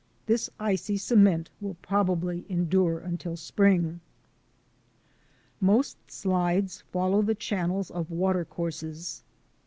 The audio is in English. This icy cement will probably endure until spring. Most slides follow the channels of water courses.